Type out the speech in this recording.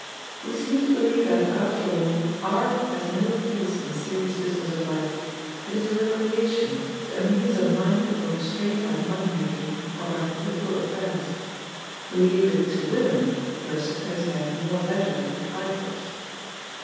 We seem to believe that, after all, Art has no place in the serious business of life; it is a recreation, to amuse a mind overstrained by money making or by political affairs. We leave it to women, who are supposed to have more leisure for trifles.